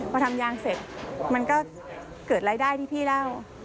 พอทำยางเสร็จมันก็เกิดรายได้ที่พี่เล่า